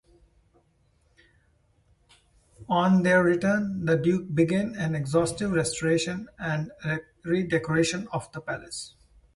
On their return the Duke began an exhaustive restoration and redecoration of the palace.